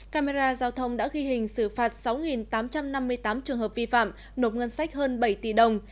camera giao thông đã ghi hình xử phạt sáu tám trăm năm mươi tám trường hợp vi phạm nộp ngân sách hơn bảy tỷ đồng